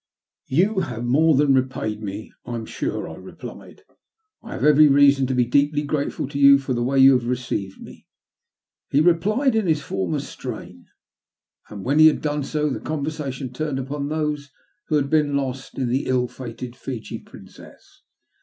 ''You have more than repaid me, I'm sure/' I replied. " I have every reason to be deeply grateful to you for the way you have received me." He replied in his former strain, and when he had done so, the conversation turned upon those who had been lost in the ill fated Fiji Princess.